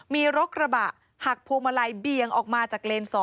มีรถกระบะหักพวงมาลัยเบียงออกมาจากเลน๒